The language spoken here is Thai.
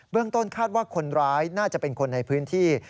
ต้นคาดว่าคนร้ายน่าจะเป็นคนในพื้นที่